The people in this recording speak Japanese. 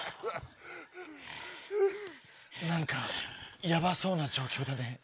何かヤバそうな状況だね。